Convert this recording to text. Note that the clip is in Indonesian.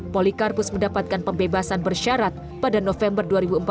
polikarpus mendapatkan pembebasan bersyarat pada november dua ribu empat belas